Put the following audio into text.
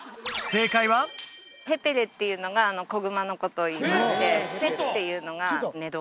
「ヘペレ」っていうのが「子熊」のことをいいまして「セッ」っていうのが「寝床」